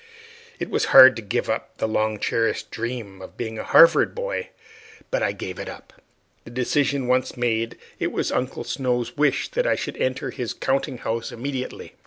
It was hard to give up the long cherished dream of being a Harvard boy; but I gave it up. The decision once made, it was Uncle Snow's wish that I should enter his counting house immediately.